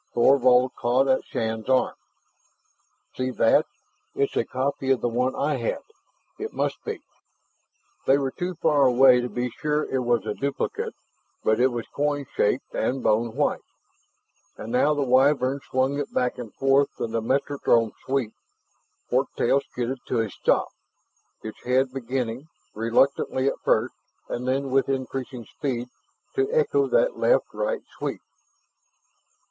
Thorvald caught at Shann's arm. "See that! It's a copy of the one I had; it must be!" They were too far away to be sure it was a duplicate, but It was coin shaped and bone white. And now the Wyvern swung it back and forth in a metronome sweep. Fork tail skidded to a stop, its head beginning reluctantly at first, and then, with increasing speed to echo that left right sweep.